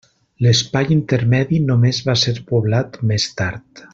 L'espai intermedi només va ser poblat més tard.